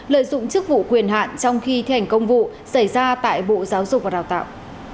lợi dụng chức vụ quyền hạn trong khi thi hành công vụ xảy ra tại bộ giáo dục và đào tạo